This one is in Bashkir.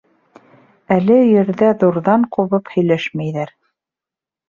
Әле өйөрҙә ҙурҙан ҡубып һөйләшмәйҙәр.